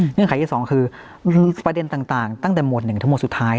เงื่อนไขที่สองคือประเด็นต่างตั้งแต่หมวดหนึ่งถึงหมวดสุดท้าย